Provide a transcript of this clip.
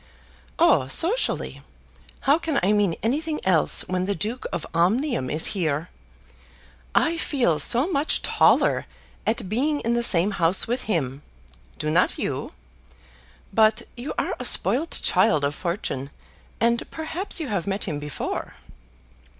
"Oh, socially. How can I mean anything else when the Duke of Omnium is here? I feel so much taller at being in the same house with him. Do not you? But you are a spoilt child of fortune, and perhaps you have met him before."